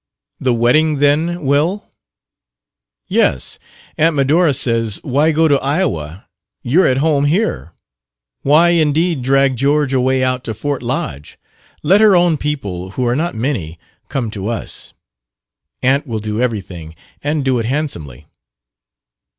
"The wedding, then, will ?" "Yes. Aunt Medora says, 'Why go to Iowa? you're at home here.' Why, indeed, drag George away out to Fort Lodge? Let her own people, who are not many, come to us. Aunt will do everything, and do it handsomely."